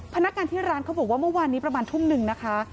พนักงานที่ร้านเขาบอกว่าเมื่อวานนี้ประมาณทุ่มนึงนะคะ